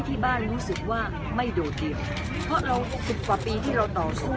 ที่บ้านรู้สึกว่าไม่โดดเดี่ยวเพราะเราสิบกว่าปีที่เราต่อสู้